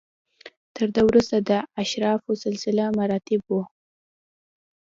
تر ده وروسته د اشرافو سلسله مراتب و